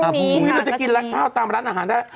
พรุ่งนี้เราจะกินและข้าวตามร้านอาหารได้